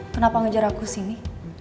kenapa ngejar aku sini